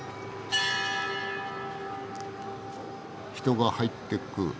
人が入っていく。